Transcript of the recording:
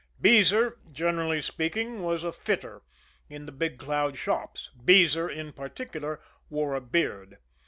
Beezer, speaking generally, was a fitter in the Big Cloud shops; Beezer, in particular, wore a beard.